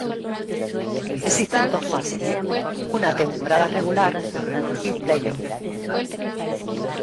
Existen dos fases, una temporada regular y playoffs.